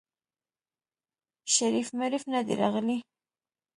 شريف مريف ندی راغلی.